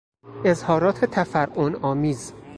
اظهارات تفرعن آمیز او